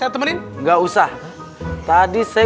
hai heute kali ini anak murid zalim gelap